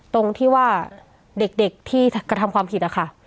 ตรงที่ว่าเด็กที่กระทำความผิดอะค่ะ